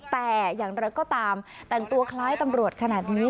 แต่อย่างไรก็ตามแต่งตัวคล้ายตำรวจขนาดนี้